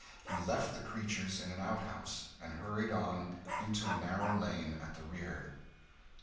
He left the creatures in an out house, and hurried on, into a narrow lane at the rear.